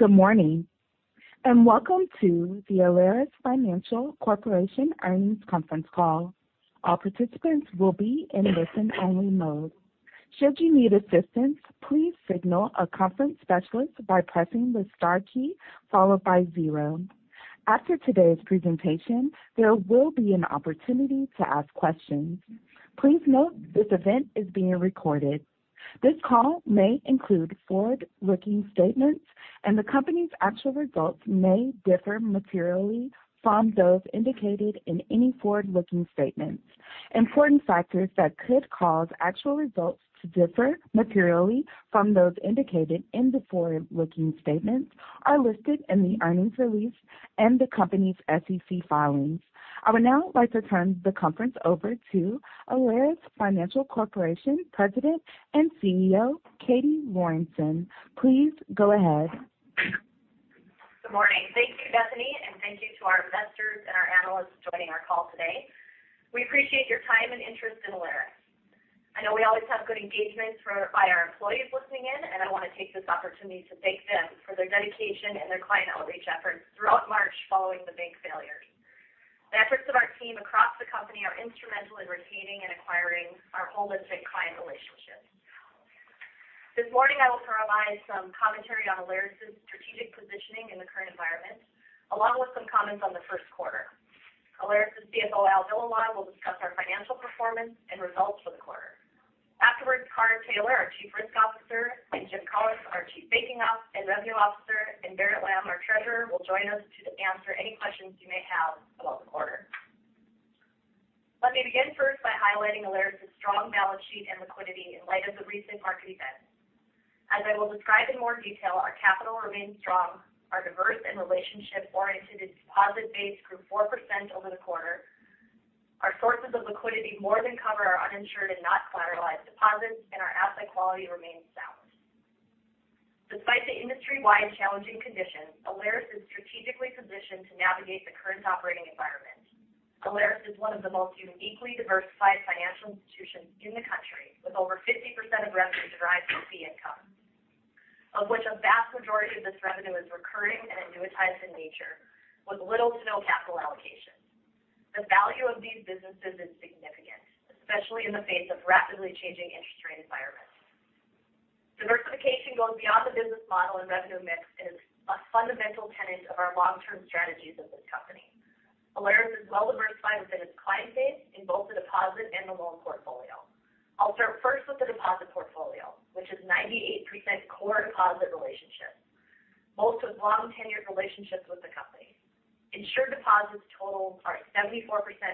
Good morning, welcome to the Alerus Financial Corporation Earnings Conference Call. All participants will be in listen-only mode. Should you need assistance, please signal a conference specialist by pressing the star key followed by zero. After today's presentation, there will be an opportunity to ask questions. Please note this event is being recorded. This call may include forward-looking statements, and the company's actual results may differ materially from those indicated in any forward-looking statements. Important factors that could cause actual results to differ materially from those indicated in the forward-looking statements are listed in the earnings release and the company's SEC filings. I would now like to turn the conference over to Alerus Financial Corporation President and CEO, Katie Lorenson. Please go ahead. Good morning. Thank you, Bethany, thank you to our investors and our analysts joining our call today. We appreciate your time and interest in Alerus. I know we always have good engagements by our employees listening in, and I want to take this opportunity to thank them for their dedication and their client outreach efforts throughout March following the bank failures. The efforts of our team across the company are instrumental in retaining and acquiring our holistic client relationships. This morning, I will provide some commentary on Alerus's strategic positioning in the current environment, along with some comments on the Q1. Alerus's CFO, Al Villalon, will discuss our financial performance and results for the quarter. Afterwards, Karin Taylor, our Chief Risk Officer, and Jim Collins, our Chief Banking and Revenue Officer, and Barret Lahm, our Treasurer, will join us to answer any questions you may have about the quarter. Let me begin first by highlighting Alerus's strong balance sheet and liquidity in light of the recent market events. As I will describe in more detail, our capital remains strong. Our diverse and relationship-oriented deposit base grew 4% over the quarter. Our sources of liquidity more than cover our uninsured and not collateralized deposits, and our asset quality remains sound. Despite the industry-wide challenging conditions, Alerus is strategically positioned to navigate the current operating environment. Alerus is one of the most uniquely diversified financial institutions in the country, with over 50% of revenue derived from fee income, of which a vast majority of this revenue is recurring and annuitized in nature, with little to no capital allocation. The value of these businesses is significant, especially in the face of rapidly changing interest rate environments. Diversification goes beyond the business model and revenue mix and is a fundamental tenet of our long-term strategies of this company. Alerus is well diversified within its client base in both the deposit and the loan portfolio. I'll start first with the deposit portfolio, which is 98% core deposit relationships, most with long tenured relationships with the company. Insured deposits total are 74%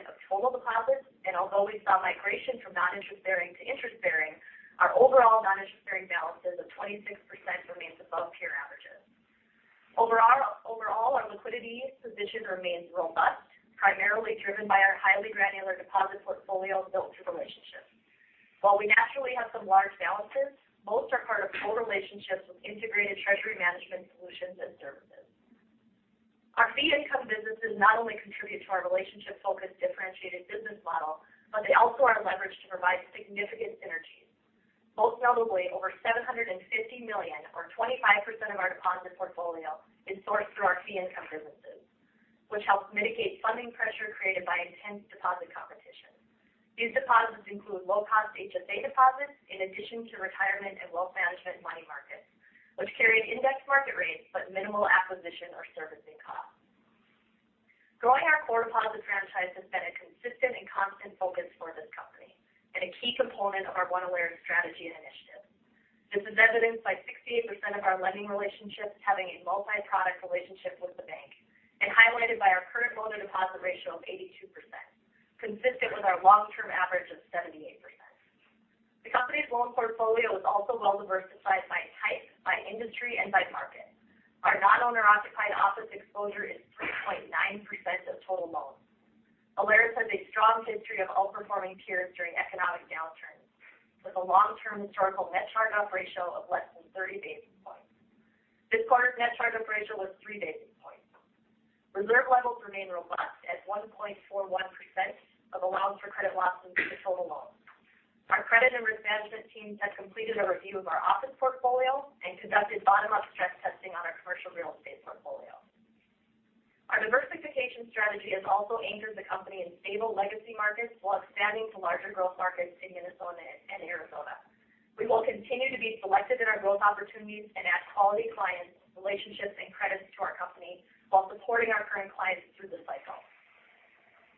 of total deposits. Although we saw migration from non-interest bearing to interest bearing, our overall non-interest bearing balances of 26% remains above peer averages. Overall, our liquidity position remains robust, primarily driven by our highly granular deposit portfolio built to relationships. While we naturally have some large balances, most are part of whole relationships with integrated treasury management solutions and services. Our fee income businesses not only contribute to our relationship focused differentiated business model, but they also are leveraged to provide significant synergies. Most notably, over $750 million or 25% of our deposit portfolio is sourced through our fee income businesses, which helps mitigate funding pressure created by intense deposit competition. These deposits include low cost HSA deposits in addition to retirement and wealth management money markets, which carry index market rates, but minimal acquisition or servicing costs. Growing our core deposit franchise has been a consistent and constant focus for this company and a key component of our One Alerus strategy and initiative. This is evidenced by 68% of our lending relationships having a multi-product relationship with the bank and highlighted by our current loan-to-deposit ratio of 82%, consistent with our long-term average of 78%. The company's loan portfolio is also well diversified by type, by industry, and by market. Our non-owner occupied office exposure is 3.9% of total loans. Alerus has a strong history of outperforming peers during economic downturns with a long-term historical net charge-off ratio of less than 30 basis points. This quarter's net charge-off ratio was 3 basis points. Reserve levels remain robust at 1.41% of allowance for credit losses to total loans. Our credit and risk management teams have completed a review of our office portfolio and conducted bottom-up stress testing on our commercial real estate portfolio. Our diversification strategy has also anchored the company in stable legacy markets while expanding to larger growth markets in Minnesota and Arizona. We will continue to be selective in our growth opportunities and add quality clients, relationships, and credits to our company while supporting our current clients through this cycle.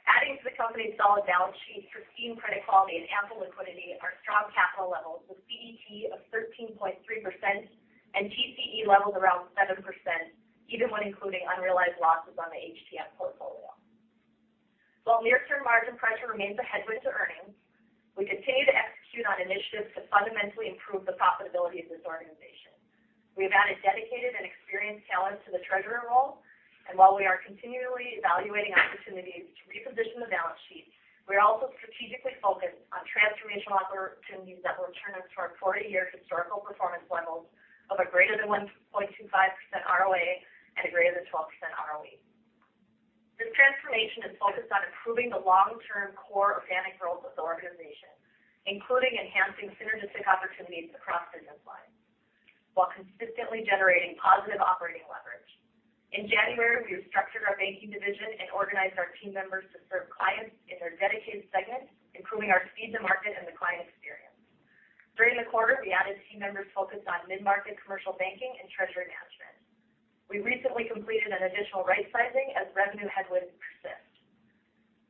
Adding to the company's solid balance sheet, pristine credit quality and ample liquidity are strong capital levels with CET of 13.3% and TCE levels around 7%, even when including unrealized losses on the HTM portfolio. While near-term margin pressure remains a headwind to earnings, we continue to execute on initiatives to fundamentally improve the profitability of this organization. While we are continually evaluating opportunities to reposition the balance sheet, we are also strategically focused on transformational opportunities that will return us to our 40-year historical performance levels of a greater than 1.25% ROA and a greater than 12% ROE. This transformation is focused on improving the long-term core organic growth of the organization, including enhancing synergistic opportunities across business lines while consistently generating positive operating leverage. In January, we restructured our banking division and organized our team members to serve clients in their dedicated segments, improving our speed to market and the client experience. During the quarter, we added team members focused on mid-market commercial banking and treasury management. We recently completed an additional right-sizing as revenue headwinds persist.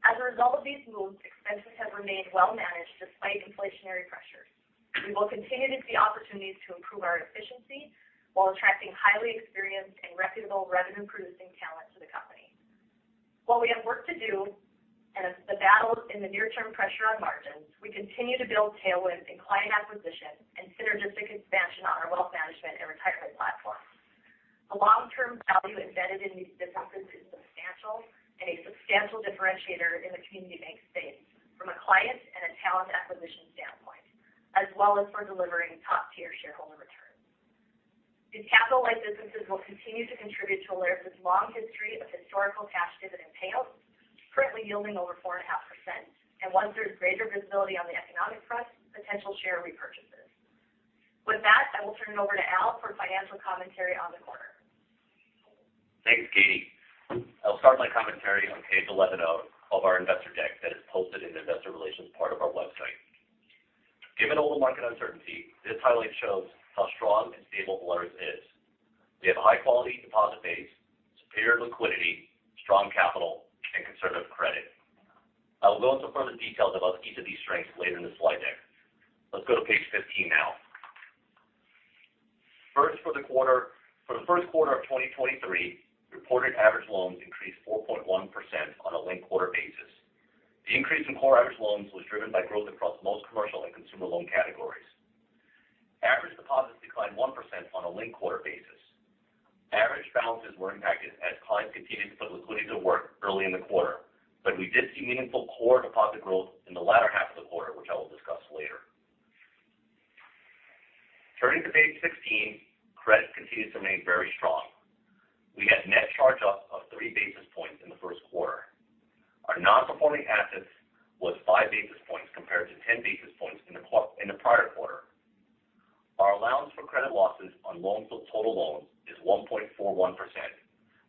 As a result of these moves, expenses have remained well managed despite inflationary pressures. We will continue to see opportunities to improve our efficiency while attracting highly experienced and reputable revenue-producing talent to the company. While we have work to do and the battles in the near term pressure on margins, we continue to build tailwinds in client acquisition and synergistic expansion on our wealth management and retirement platforms. The long-term value embedded in these businesses is substantial and a substantial differentiator in the community bank space from a client and a talent acquisition standpoint, as well as for delivering top-tier shareholder returns. These capital-light businesses will continue to contribute to Alerus's long history of historical cash dividend payouts, currently yielding over 4.5%. Once there's greater visibility on the economic front, potential share repurchases. With that, I will turn it over to Al for financial commentary on the quarter. Thanks, Katie. I'll start my commentary on page 11 O of our investor deck that is posted in the investor relations part of our website. Given all the market uncertainty, this highlight shows how strong and stable Alerus is. We have a high-quality deposit base, superior liquidity, strong capital, and conservative credit. I will go into further details about each of these strengths later in the slide deck. Let's go to page 15 now. First for the Q1 of 2023, reported average loans increased 4.1% on a linked-quarter basis. The increase in core average loans was driven by growth across most commercial and consumer loan categories. Average deposits declined 1% on a linked-quarter basis. Average balances were impacted as clients continued to put liquidity to work early in the quarter, but we did see meaningful core deposit growth in the latter half of the quarter, which I will discuss later. Turning to page 16. Credit continues to remain very strong. We had net charge-off of 3 basis points in the Q1. Our non-performing assets was 5 basis points compared to 10 basis points in the prior quarter. Our allowance for credit losses on loans to total loans is 1.41%,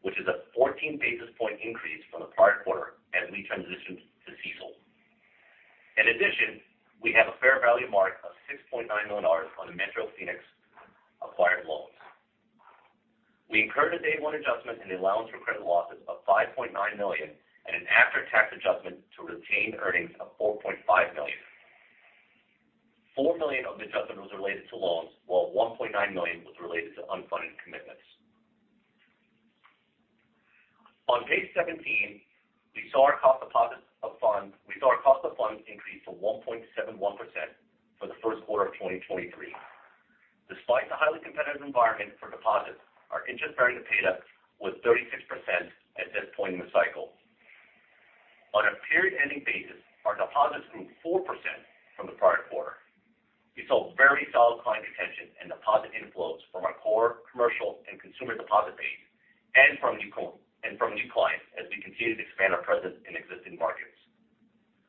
which is a 14 basis point increase from the prior quarter as we transitioned to CECL. In addition, we have a fair value mark of $6.9 million on the Metro Phoenix acquired loans. We incurred a day one adjustment in the allowance for credit losses of $5.9 million and an after-tax adjustment to retained earnings of $4.5 million. $4 million of the adjustment was related to loans, while $1.9 million was related to unfunded commitments. On page 17, we saw our cost of funds increase to 1.71% for the Q1 of 2023. Despite the highly competitive environment for deposits, our interest bearing paid up was 36% at this point in the cycle. On a period-ending basis, our deposits grew 4% from the prior quarter. We saw very solid client retention and deposit inflows from our core commercial and consumer deposit base and from new clients as we continue to expand our presence in existing markets.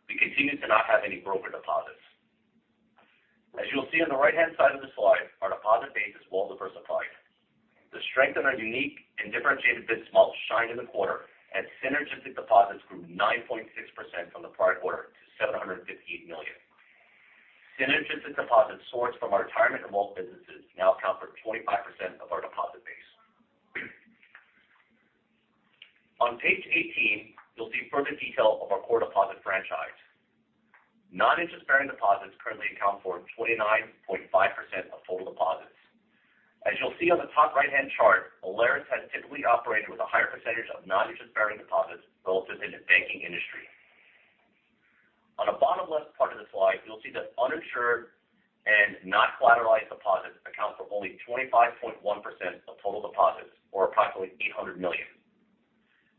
We continue to not have any broker deposits. As you'll see on the right-hand side of the slide, our deposit base is well diversified. The strength in our unique and differentiated business models shined in the quarter, as synergistic deposits grew 9.6% from the prior quarter to $715 million. Synergistic deposits sourced from our retirement and wealth businesses now account for 25% of our deposit base. On page 18, you'll see further detail of our core deposit franchise. Non-interest-bearing deposits currently account for 29.5% of total deposits. As you'll see on the top right-hand chart, Alerus has typically operated with a higher percentage of non-interest-bearing deposits relative to the banking industry. On the bottom left part of the slide, you'll see that uninsured and not collateralized deposits account for only 25.1% of total deposits, or approximately $800 million.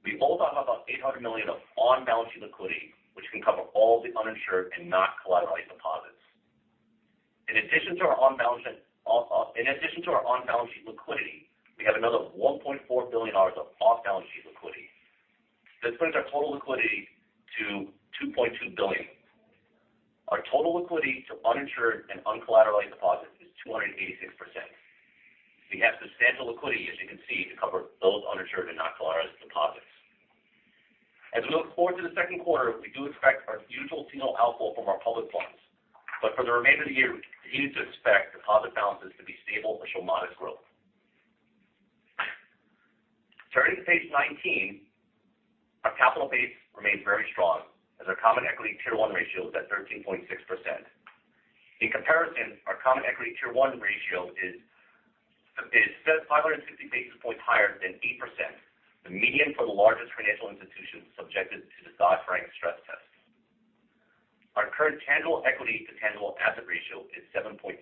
We also have about $800 million of on-balance sheet liquidity, which can cover all the uninsured and not collateralized deposits. In addition to our on-balance sheet liquidity, we have another $1.4 billion of off-balance sheet liquidity. This brings our total liquidity to $2.2 billion. Our total liquidity to uninsured and uncollateralized deposits is 286%. We have substantial liquidity, as you can see, to cover those uninsured and not collateralized deposits. We look forward to the Q2, we do expect our usual seasonal outflow from our public funds. For the remainder of the year, we continue to expect deposit balances to be stable or show modest growth. Turning to page 19. Our capital base remains very strong as our Common Equity Tier 1 ratio is at 13.6%. In comparison, our Common Equity Tier 1 ratio is 550 basis points higher than 8%, the median for the largest financial institutions subjected to the Dodd-Frank stress test. Our current tangible equity to tangible asset ratio is 7.6%.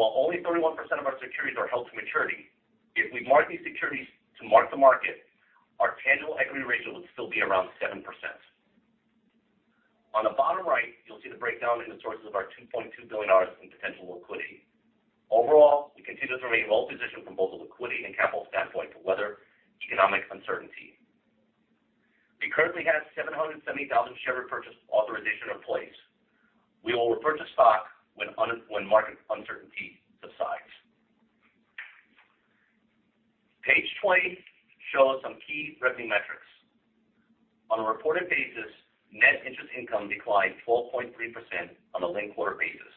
While only 31% of our securities are held to maturity, if we mark these securities to market-to-market, our tangible equity ratio would still be around 7%. You'll see the breakdown in the sources of our $2.2 billion in potential liquidity. Overall, we continue to remain well-positioned from both a liquidity and capital standpoint to weather economic uncertainty. We currently have 770,000 share repurchase authorization in place. We will repurchase stock when market uncertainty subsides. Page 20 shows some key revenue metrics. On a reported basis, net interest income declined 12.3% on a linked-quarter basis.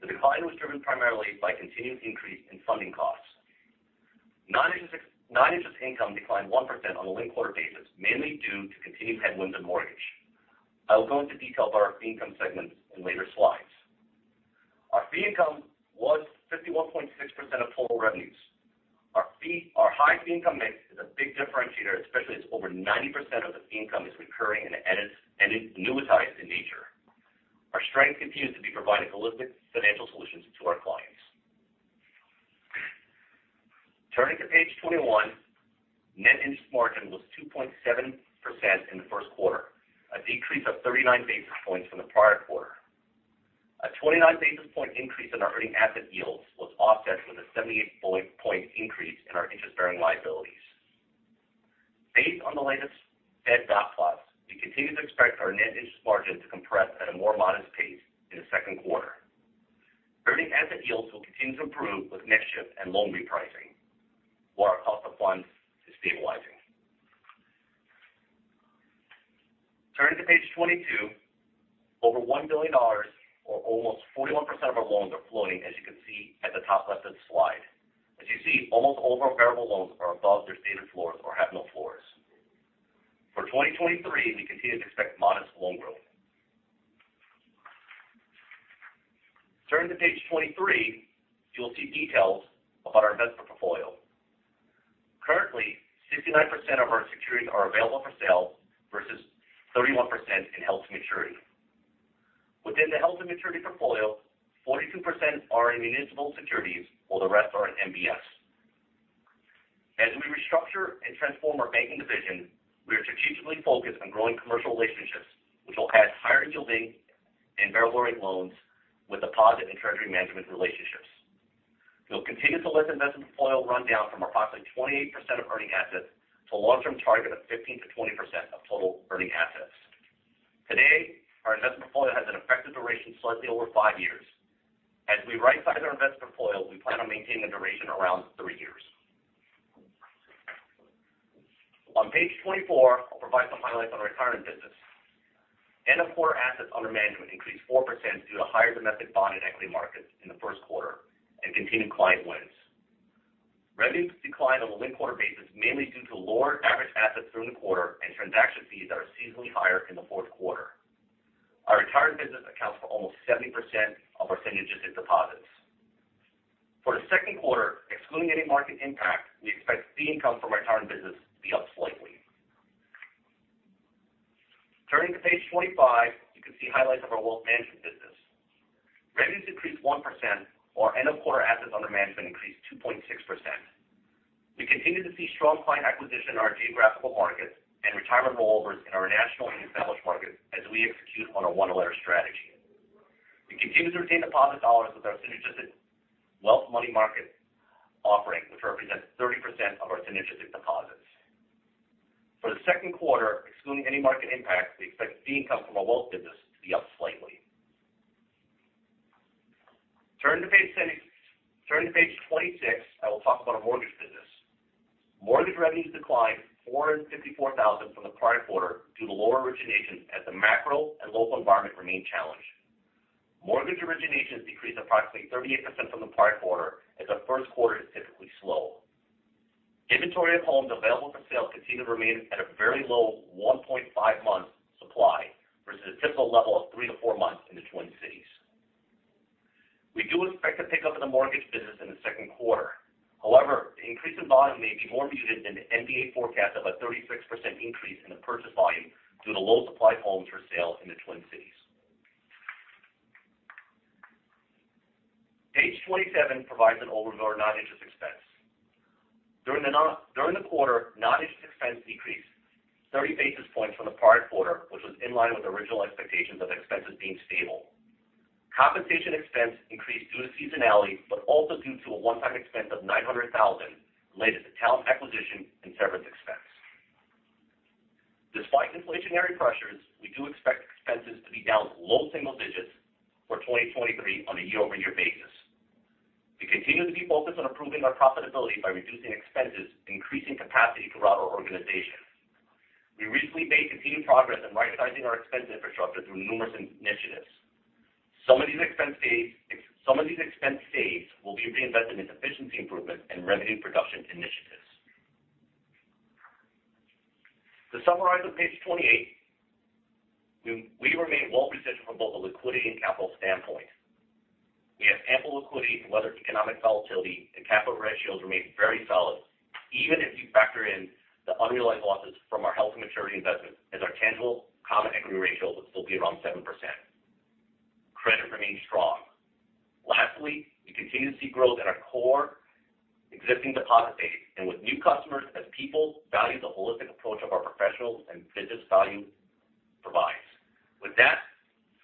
The decline was driven primarily by continued increase in funding costs. Non-interest income declined 1% on a linked-quarter basis, mainly due to continued headwinds in mortgage. I will go into detail about our fee income segments in later slides. Our fee income was 51.6% of total revenues. Our high fee income mix is a big differentiator, especially as over 90% of this income is recurring and annuitized in nature. Our strength continues to be providing holistic financial solutions to our clients. Turning to page 21. Net interest margin was 2.7% in the Q1, a decrease of 39 basis points from the prior quarter. A 29 basis point increase in our earning asset yields was offset with a 78 point increase in our interest-bearing liabilities. Based on the latest Fed dot plots, we continue to expect our net interest margin to compress at a more modest pace in the Q2. Earning asset yields will continue to improve with net shift and loan repricing while our cost of funds is stabilizing. Turning to page 22. Over $1 billion or almost 41% of our loans are floating, as you can see at the top left of the slide. As you see, almost all of our variable loans are above their stated floors or have no floors. For 2023, we continue to expect modest loan growth. Turning to page 23, you will see details about our investment portfolio. Currently, 69% of our securities are available for sale versus 31% in held to maturity. Within the held to maturity portfolio, 42% are in municipal securities, while the rest are in MBS. As we restructure and transform our banking division, we are strategically focused on growing commercial relationships, which will add higher yielding and variable-rate loans with a positive treasury management relationships. We'll continue to let investment portfolio run down from approximately 28% of earning assets to a long-term target of 15%-20% of total earning assets. Today, our investment portfolio has an effective duration slightly over 5 years. As we right-size our investment portfolio, we plan on maintaining a duration around three years. On page 24, I'll provide some highlights on our retirement business. End of quarter assets under management increased 4% due to higher domestic bond and equity markets in the Q1 and continued client wins. Revenues declined on a linked-quarter basis, mainly due to lower average assets during the quarter and transaction fees that are seasonally higher in the Q4. Our retirement business accounts for almost 70% of our synergistic deposits. For the Q2, excluding any market impact, we expect fee income from retirement business to be up slightly. Turning to page 25, you can see highlights of our wealth management business. Revenues decreased 1%, while end of quarter assets under management increased 2.6%. We continue to see strong client acquisition in our geographical markets and retirement rollovers in our national and established markets as we execute on our One Alerus strategy. We continue to retain deposit dollars with our synergistic wealth money market offering, which represents 30% of our synergistic deposits. For the Q2, excluding any market impact, we expect fee income from our wealth business to be up slightly. Turning to page 26, I will talk about our mortgage business. Mortgage revenues declined $454,000 from the prior quarter due to lower originations as the macro and local environment remain challenged. Mortgage originations decreased approximately 38% from the prior quarter as the Q1 is typically slow. Inventory of homes available for sale continue to remain at a very low 1.5 months supply versus a typical level of three to four months in the Twin Cities. We do expect a pickup in the mortgage business in the Q2. However, the increase in volume may be more muted than the MBA forecast of a 36% increase in the purchase volume due to low supply of homes for sale in the Twin Cities. Page 27 provides an overview of our non-interest expense. During the quarter, non-interest expense decreased 30 basis points from the prior quarter, which was in line with original expectations of expenses being stable. Compensation expense increased due to seasonality, but also due to a one-time expense of $900,000 related to talent acquisition and severance expense. Despite inflationary pressures, we do expect expenses to be down low single digits for 2023 on a year-over-year basis. We continue to be focused on improving our profitability by reducing expenses and increasing capacity throughout our organization. We recently made continued progress in right-sizing our expense infrastructure through numerous initiatives. Some of these expense saves will be reinvested in efficiency improvement and revenue production initiatives. To summarize on page 28, we remain well-positioned from both a liquidity and capital standpoint. We have ample liquidity to weather economic volatility, and capital ratios remain very solid. Even if you factor in the unrealized losses from our held to maturity investments as our tangible common equity ratio would still be around 7%. Credit remains strong. Lastly, we continue to see growth in our core existing deposit base and with new customers as people value the holistic approach of our professionals and business value provides. With that,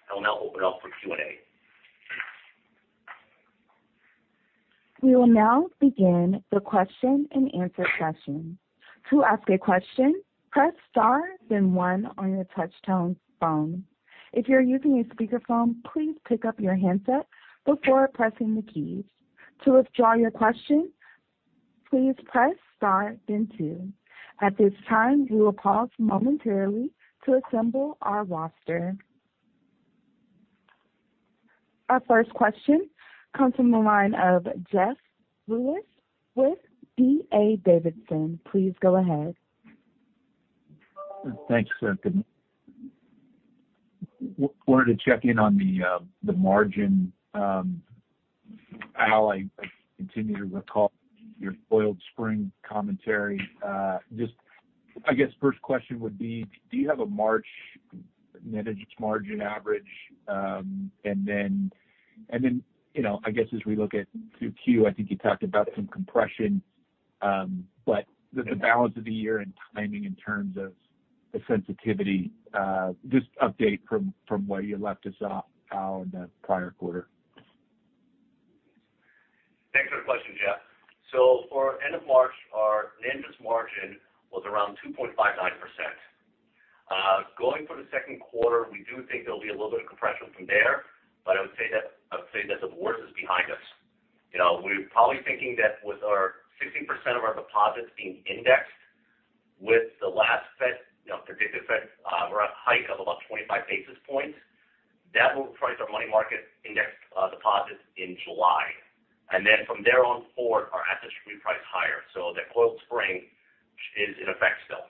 I will now open it up for Q&A. We will now begin the question and answer session. To ask a question, press star then one on your touch-tone phone. If you're using a speakerphone, please pick up your handset before pressing the keys. To withdraw your question, please press star then two. At this time, we will pause momentarily to assemble our roster. Our first question comes from the line of Jeff Rulis with D.A. Davidson. Please go ahead. Thanks, sir. wanted to check in on the margin. Al, I continue to recall your coiled spring commentary. just I guess first question would be, do you have a March net interest margin average? Then, you know, I guess as we look at Q2, I think you talked about some compression, but the balance of the year and timing in terms of the sensitivity, just update from where you left us off, Al, in the prior quarter. Thanks for the question, Jeff. For end of March, our net interest margin was around 2.59%. Going for the Q2, we do think there'll be a little bit of compression from there, but I would say that the worst is behind us. You know, we're probably thinking that with our 60% of our deposits being indexed with the last Fed, you know, predicted Fed, we're at hike of about 25 basis points. That will price our money market index deposits in July. From there on forward, our assets should reprice higher. The coiled spring is in effect still.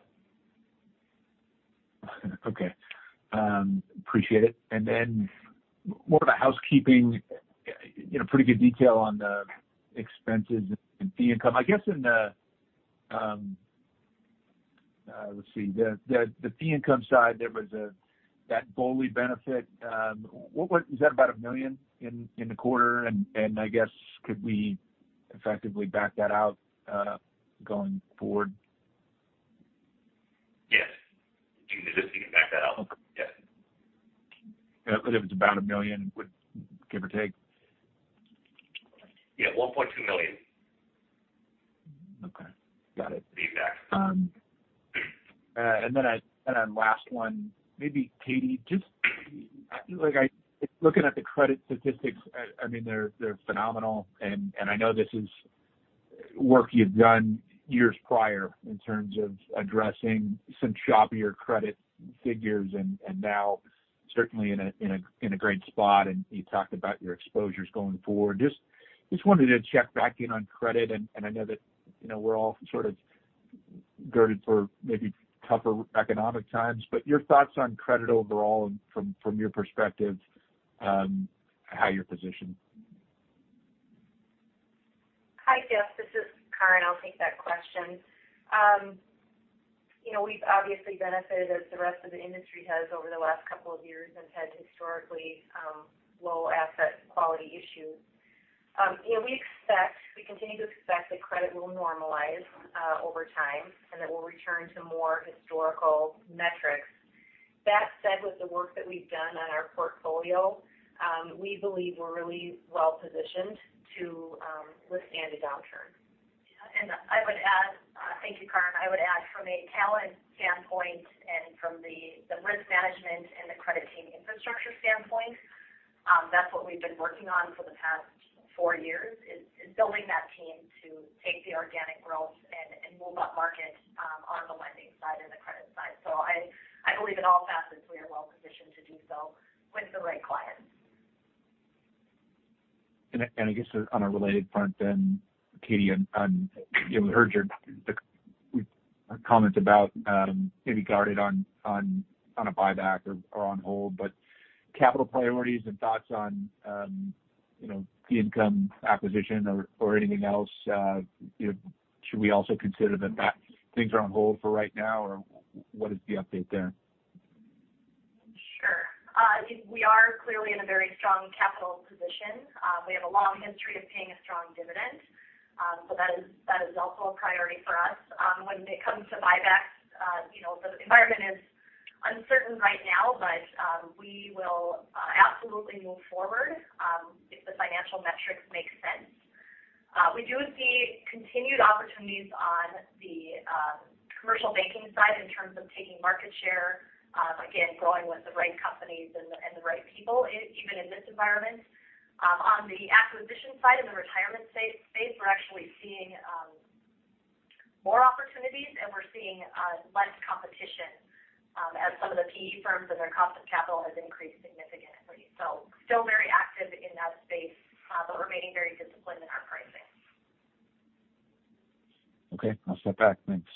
Okay. Appreciate it. More of a housekeeping, you know, pretty good detail on the expenses and fee income. I guess in the, let's see. The fee income side, there was that BOLI benefit. Is that about $1 million in the quarter? I guess could we effectively back that out going forward? Yes. You can back that out. Okay. Yeah. If it's about $1 million, give or take. Yeah, $1.2 million. Okay. Got it. Be back. Then last one. Maybe Katie, just like looking at the credit statistics, I mean, they're phenomenal and I know this is work you've done years prior in terms of addressing some choppier credit figures and now certainly in a great spot and you talked about your exposures going forward. Just wanted to check back in on credit. I know that, you know, we're all sort of girded for maybe tougher economic times, but your thoughts on credit overall from your perspective, how you're positioned? Hi, Jeff. This is Katie. I'll take that question. you know, we've obviously benefited as the rest of the industry has over the last couple of years and had historically low asset quality issues. you know, we expect, we continue to expect that credit will normalize over time and that we'll return to more historical metrics. That said, with the work that we've done on our portfolio, we believe we're really well positioned to withstand a downturn. I would add, thank you, Karen, I would add from a talent standpoint and from the risk management and the credit team infrastructure standpoint, that's what we've been working on for the past four years is building that team to take the organic growth and move upmarket on the lending side and the credit side. I believe in all facets we are well positioned to do so with the right clients. I guess on a related front then, Katie on we heard your comments about maybe guarded on a buyback or on hold. Capital priorities and thoughts on, you know, fee income acquisition or anything else, you know, should we also consider that things are on hold for right now or what is the update there? Sure. We are clearly in a very strong capital position. We have a long history of paying a strong dividend. So that is also a priority for us. When it comes to buybacks, you know, the environment is uncertain right now, but we will absolutely move forward if the financial metrics make sense. We do see continued opportunities on the commercial banking side in terms of taking market share, again, growing with the right companies and the right people even in this environment. On the acquisition side in the retirement space, we're actually seeing more opportunities and we're seeing less competition, as some of the PE firms and their cost of capital has increased significantly. Still very active in that space, but remaining very disciplined in our pricing. Okay. I'll step back. Thanks.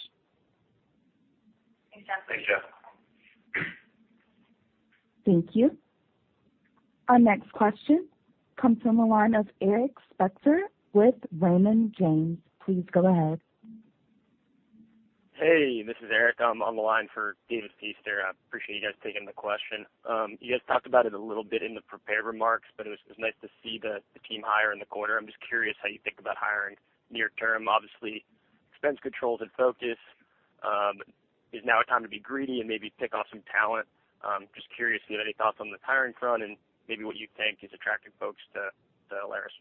Thanks, Jeff. Thanks, Jeff. Thank you. Our next question comes from the line of Eric Spector with Raymond James. Please go ahead. Hey, this is Eric. I'm on the line for David Feaster. I appreciate you guys taking the question. You guys talked about it a little bit in the prepared remarks, it was nice to see the team hire in the quarter. I'm just curious how you think about hiring near term. Obviously, expense controls and focus. Is now a time to be greedy and maybe pick off some talent? Just curious if you have any thoughts on the hiring front and maybe what you think is attracting folks to Alerus.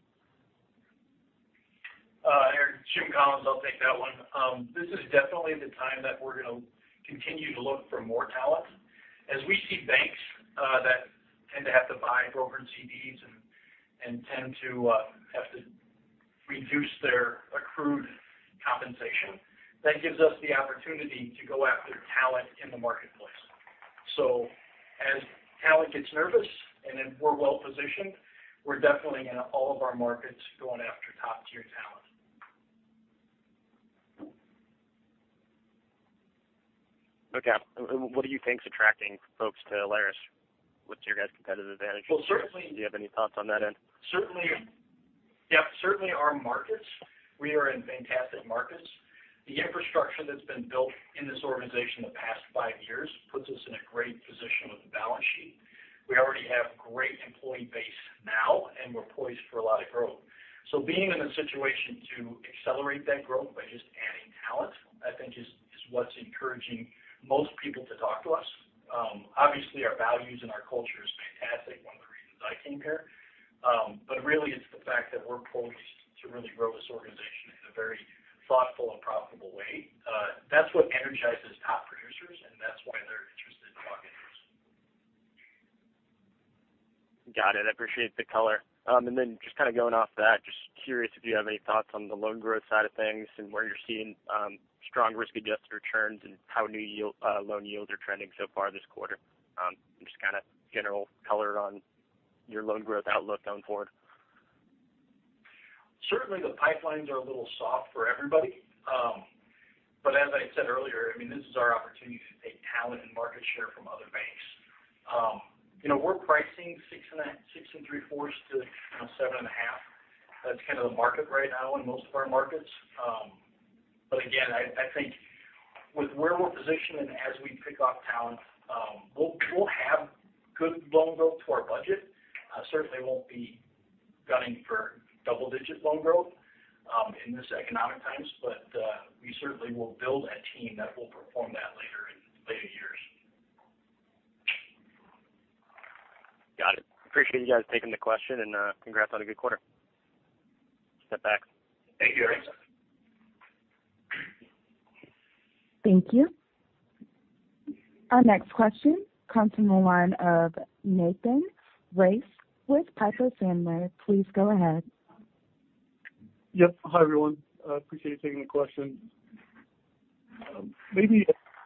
Eric, Jim Collins. I'll take that one. This is definitely the time that we're gonna continue to look for more talent. As we see banks that tend to have to buy brokered CDs and tend to reduce their accrued compensation, that gives us the opportunity to go after talent in the marketplace. As talent gets nervous and then we're well-positioned, we're definitely in all of our markets going after top-tier talent. Okay. What do you think's attracting folks to Alerus? What's your guys' competitive advantage? Well. Do you have any thoughts on that end? Certainly. Yeah, certainly our markets. We are in fantastic markets. The infrastructure that's been built in this organization the past five years puts us in a great position with the balance sheet. We already have great employee base now, and we're poised for a lot of growth. Being in a situation to accelerate that growth by just adding talent, I think is what's encouraging most people to talk to us. Obviously, our values and our culture is fantastic, one of the reasons I came here. Really it's the fact that we're poised to really grow this organization in a very thoughtful and profitable way. That's what energizes top producers, and that's why they're interested in talking to us. Got it. I appreciate the color. Just kind of going off that, just curious if you have any thoughts on the loan growth side of things and where you're seeing strong risk-adjusted returns and how new yield loan yields are trending so far this quarter. Just kind of general color on your loan growth outlook going forward. Certainly, the pipelines are a little soft for everybody. As I said earlier, I mean, this is our opportunity to take talent and market share from other banks. You know, we're pricing 6.75%-7.5%. That's kind of the market right now in most of our markets. Again, I think with where we're positioned and as we pick off talent, we'll have good loan growth to our budget. I certainly won't be gunning for double-digit loan growth in this economic times. We certainly will build a team that will perform that later in later years. Got it. Appreciate you guys taking the question. Congrats on a good quarter. Step back. Thank you, Eric. Thank you. Our next question comes from the line of Nathan Race with Piper Sandler. Please go ahead. Yes. Hi, everyone. I appreciate you taking the question. Maybe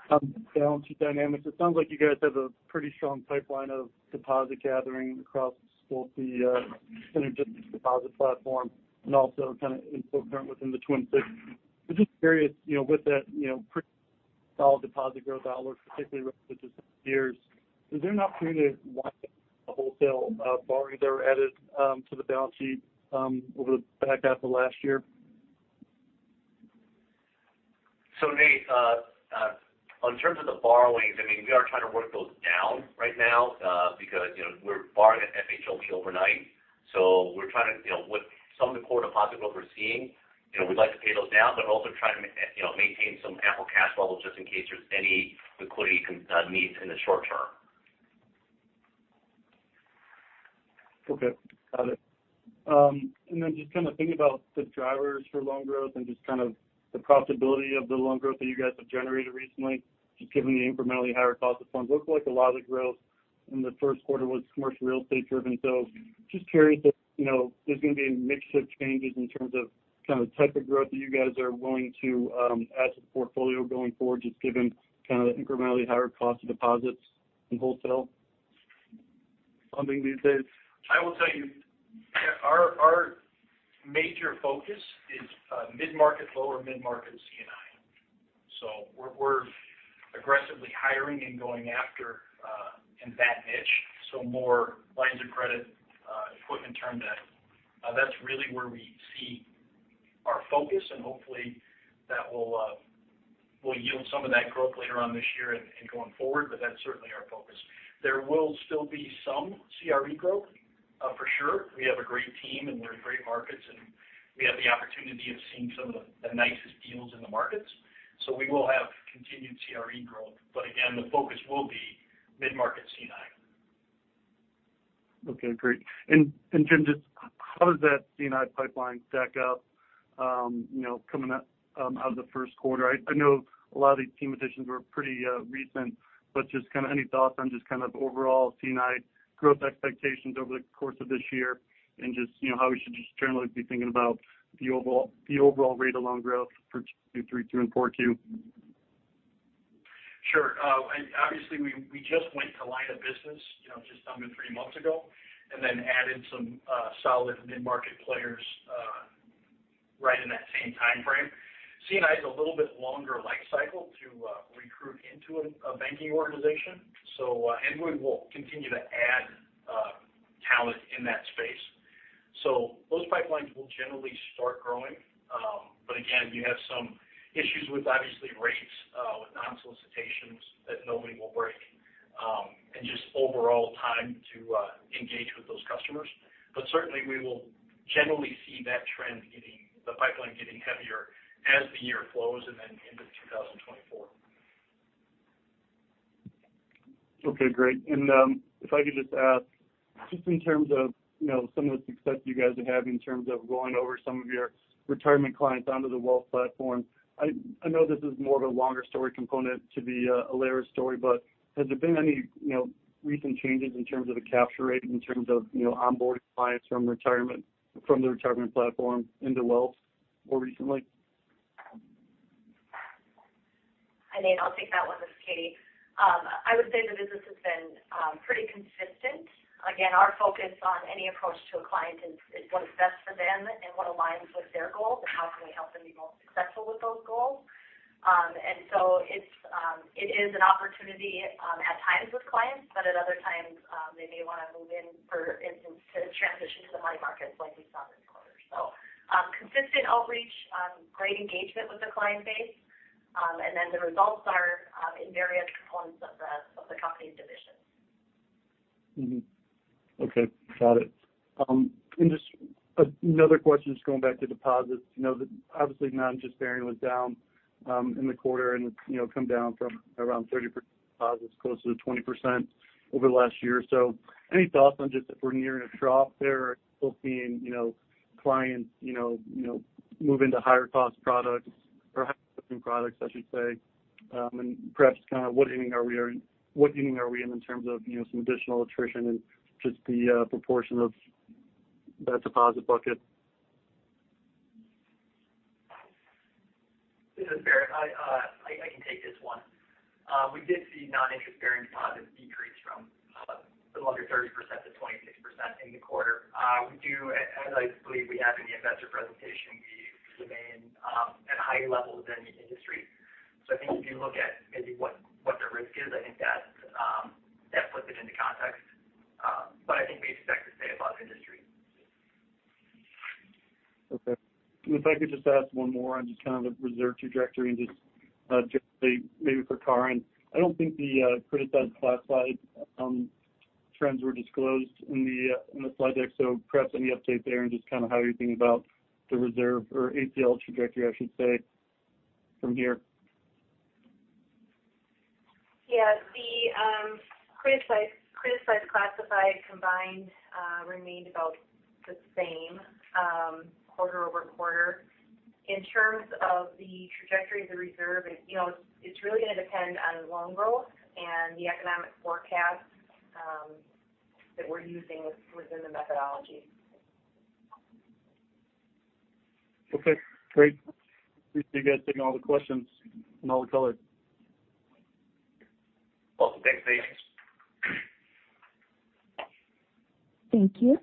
on balance sheet dynamics, it sounds like you guys have a pretty strong pipeline of deposit gathering across both the Synergistic Deposit Platform and also kind of in full term within the Twin Cities. I'm just curious, you know, with that, you know, pretty solid deposit growth outlook, particularly relative to years, is there an opportunity to wholesale borrowings that were added to the balance sheet over the back half of last year? Nate, on terms of the borrowings, I mean, we are trying to work those down right now, because, you know, we're borrowing at FHLB overnight. We're trying to deal with some of the core deposit growth we're seeing. You know, we'd like to pay those down, but also try to maintain some ample cash levels just in case there's any liquidity needs in the short term. Okay. Got it. Then just kind of thinking about the drivers for loan growth and just kind of the profitability of the loan growth that you guys have generated recently, just given the incrementally higher cost of funds. Looked like a lot of the growth in the 1st quarter was commercial real estate driven. So just curious if, you know, there's going to be a mix of changes in terms of kind of the type of growth that you guys are willing to add to the portfolio going forward, just given kind of the incrementally higher cost of deposits and wholesale funding these days? I will tell you our major focus is mid-market, lower mid-market C&I. We're aggressively hiring and going after in that niche, so more lines of credit, equipment term debt. That's really where we see our focus, and hopefully that will yield some of that growth later on this year and going forward. That's certainly our focus. There will still be some CRE growth for sure. We have a great team, and we're in great markets, and we have the opportunity of seeing some of the nicest deals in the markets. We will have continued CRE growth. Again, the focus will be mid-market C&I. Okay, great. Jim, just how does that C&I pipeline stack up, you know, coming up out of the Q1? I know a lot of these team additions were pretty recent, but just kind of any thoughts on just kind of overall C&I growth expectations over the course of this year and just, you know, how we should just generally be thinking about the overall rate of loan growth for Q3 through and Q4? Sure. Obviously we just went to line of business, you know, just under three months ago and then added some solid mid-market players right in that same timeframe. C&I is a little bit longer life cycle Into a banking organization. We will continue to add talent in that space. Those pipelines will generally start growing. Again, you have some issues with obviously rates with non-solicitations that nobody will break. Just overall time to engage with those customers. Certainly we will generally see the pipeline getting heavier as the year flows and then into 2024. Okay, great. If I could just ask, just in terms of, you know, some of the success you guys are having in terms of going over some of your retirement clients onto the wealth platform. I know this is more of a longer story component to the Alerus story, but has there been any, you know, recent changes in terms of the capture rate, in terms of, you know, onboarding clients from retirement, from the retirement platform into wealth more recently? Hi, Nate. I'll take that one. This is Katie. I would say the business has been pretty consistent. Again, our focus on any approach to a client is what's best for them and what aligns with their goals and how can we help them be most successful with those goals. It's an opportunity at times with clients, but at other times, they may wanna move in, for instance, to transition to the money markets like we saw this quarter. Consistent outreach, great engagement with the client base. The results are in various components of the company's divisions. Okay, got it. Just another question, just going back to deposits. You know, obviously, non-interest bearing was down in the quarter, and it's, you know, come down from around 30% deposits closer to 20% over the last year. Any thoughts on just if we're nearing a trough there or still seeing, you know, clients, you know, move into higher cost products or higher products, I should say? Perhaps kind of what inning are we in terms of, you know, some additional attrition and just the proportion of that deposit bucket? This is Barret. I can take this one. We did see non-interest bearing deposits decrease from a little under 30%-26% in the quarter. As I believe we have in the investor presentation, we remain at higher levels than the industry. I think if you look at maybe what the risk is, I think that puts it into context. I think we expect to stay above industry. Okay. If I could just ask one more on just kind of the reserve trajectory and just, generally maybe for Karen. I don't think the criticized class side trends were disclosed in the slide deck. Perhaps any update there and just kind of how you're thinking about the reserve or ACL trajectory, I should say, from here. The criticized classified combined remained about the same quarter-over-quarter. In terms of the trajectory of the reserve, you know, it's really gonna depend on loan growth and the economic forecast that we're using within the methodology. Okay, great. Appreciate you guys taking all the questions and all the color. Awesome. Thanks, Nate. Thank you.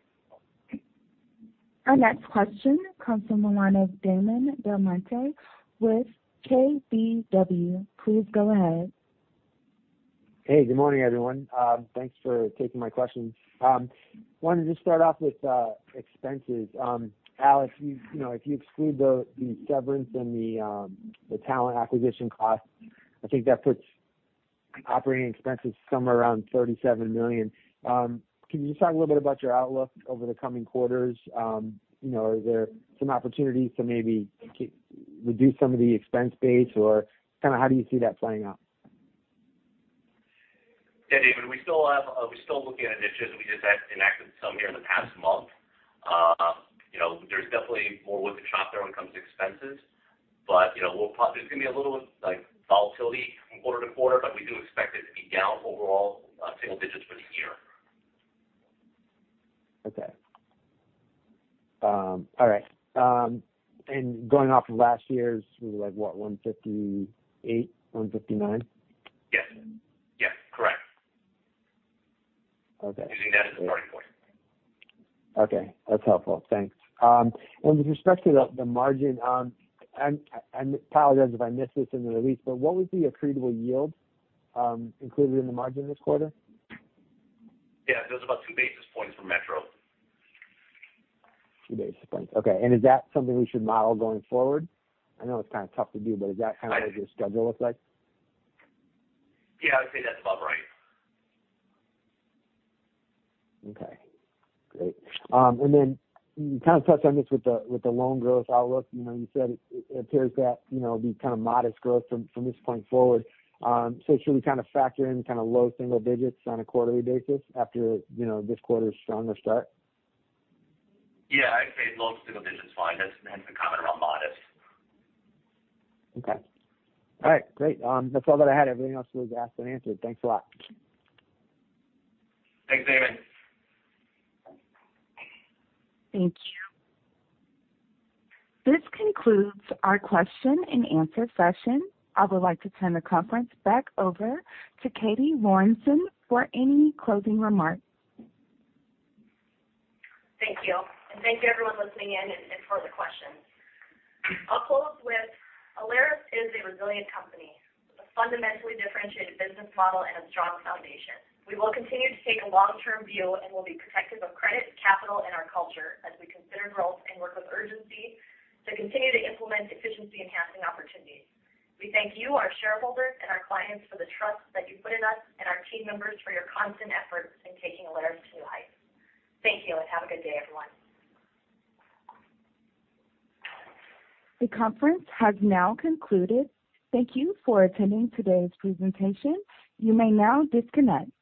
Our next question comes from the line of Damon DelMonte with KBW. Please go ahead. Hey, good morning, everyone. Thanks for taking my questions. Wanted to start off with expenses. Al, you know, if you exclude the severance and the talent acquisition costs, I think that puts operating expenses somewhere around $37 million. Can you just talk a little bit about your outlook over the coming quarters? You know, are there some opportunities to maybe reduce some of the expense base, or kinda how do you see that playing out? Yeah, Damon, we still have, we're still looking at initiatives. We just had enacted some here in the past month. You know, there's definitely more wood to chop there when it comes to expenses. You know, there's gonna be a little, like, volatility from quarter to quarter, but we do expect it to be down overall, single digits for the year. Okay. All right. Going off of last year's was like, what, 158, 159? Yes. Yes. Correct. Okay. Using that as a starting point. Okay. That's helpful. Thanks. With respect to the margin, and I apologize if I missed this in the release, but what was the accretable yield included in the margin this quarter? Yeah. It was about 2 basis points for Metro. 2 basis points. Okay. Is that something we should model going forward? I know it's kind of tough to do, but is that kind of what your schedule looks like? Yeah, I'd say that's about right. Great. You kind of touched on this with the loan growth outlook. You know, you said it appears that, you know, kind of modest growth from this point forward. Should we kind of factor in kind of low single digits on a quarterly basis after, you know, this quarter's stronger start? Yeah, I'd say low single digits is fine. That's the comment around modest. Okay. All right, great. That's all that I had. Everything else was asked and answered. Thanks a lot. Thanks, Damon. Thank you. This concludes our question and answer session. I would like to turn the conference back over to Katie Lorenson for any closing remarks. Thank you. Thank you everyone listening in and for the questions. I'll close with Alerus is a resilient company with a fundamentally differentiated business model and a strong foundation. We will continue to take a long-term view and will be protective of credit, capital, and our culture as we consider growth and work with urgency to continue to implement efficiency enhancing opportunities. We thank you, our shareholders and our clients for the trust that you put in us and our team members for your constant efforts in taking Alerus to height. Thank you, have a good day, everyone. The conference has now concluded. Thank you for attending today's presentation. You may now disconnect.